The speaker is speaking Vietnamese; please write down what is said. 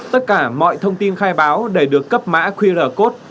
tất cả mọi thông tin khai báo đều được cấp mã qr code